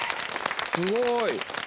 すごい。